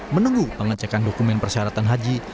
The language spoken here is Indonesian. menunggu pengecekan dokumen persyaratan haji